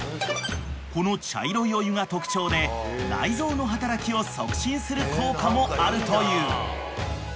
［この茶色いお湯が特徴で内臓の働きを促進する効果もあるという］